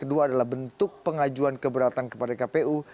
untuk pengajuan keberatan kepada kpu